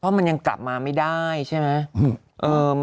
เพราะมันยังกลับมาไม่ได้ใช่ไหม